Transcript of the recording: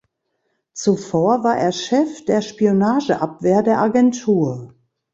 Zuvor war er Chef der Spionageabwehr der Agentur.